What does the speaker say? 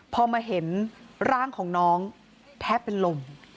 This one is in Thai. พอมาเห็นร่างของน้องแทบเป็นลม